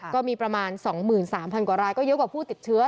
ก็มีประมาณสองหมื่นสามพันกว่ารายก็เยอะกว่าผู้ติดเชื้อ